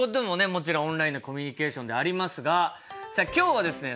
もちろんオンラインのコミュニケーションでありますがさあ今日はですね